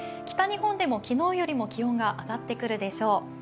北日本でも昨日よりも気温が上がってくるでしょう。